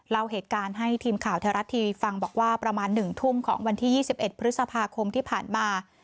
เล่าเหตุการณ์ให้ทีมข่าวแท้รัฐทีฟังบอกว่าประมาณหนึ่งทุ่มของวันที่ยี่สิบเอ็ดพฤษภาคมที่ผ่านมา